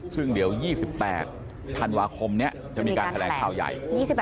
ซึ่งเดี๋ยว๒๘ธันวาคมนี้จะมีการแถลงข่าวใหญ่